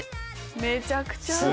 めちゃくちゃある。